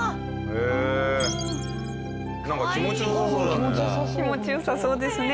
気持ちよさそうですね。